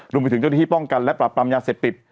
รวมไปถึงเจ้าที่ป้องกันและปรับปรามยาเสพติด